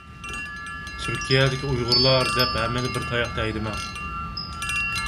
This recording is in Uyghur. تۈركىيەدىكى ئۇيغۇرلار دەپ، ھەممىنى بىر تاياقتا ھەيدىمەڭ!